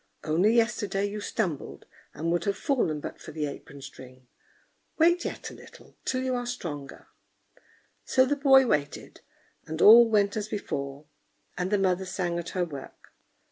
only yesterday you stumbled, and would have fallen but for the apron string. Wait yet a little, till you are stronger." So the boy waited, and all went as before; and the mother sang at her work.